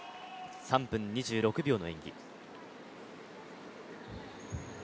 ３分２６秒の演技。